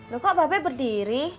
lo kok babe berdiri